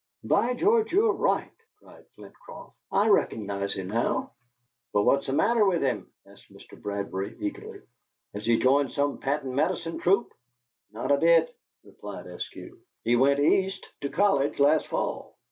"By George! you're right," cried Flitcroft; "I recognize him now." "But what's the matter with him?" asked Mr. Bradbury, eagerly. "Has he joined some patent medicine troupe?" "Not a bit," replied Eskew. "He went East to college last fall."